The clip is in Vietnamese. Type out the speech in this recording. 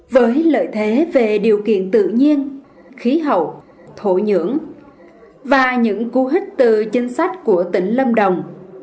với lợi thế về điều kiện tự nhiên khí hậu thổ nhưỡng và những cú hít từ chính sách của tỉnh lâm đồng